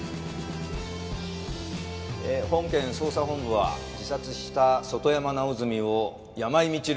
本件捜査本部は自殺した外山直澄を山井満留